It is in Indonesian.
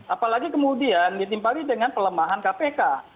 apalagi kemudian ditimpali dengan pelemahan kpk